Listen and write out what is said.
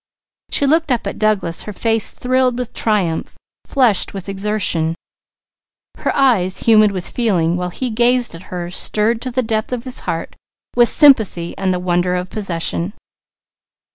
She looked up at Douglas, her face thrilled with triumph, flushed with exertion, her eyes humid with feeling, while he gazed at her stirred to the depth of his heart with sympathy and the wonder of possession.